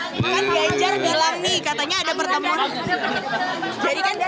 kan ganjar bilang nih katanya ada pertemuan